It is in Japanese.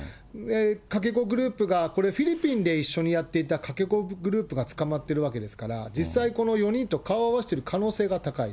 かけ子グループがこれ、フィリピンで一緒にやっていたかけ子グループが捕まってるわけですから、実際、この４人と顔を合わせている可能性が高い。